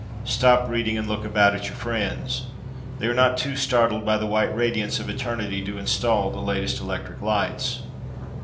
Stop reading and look about at your friends! They are not too startled by the white radiance of eternity to install the latest electric lights!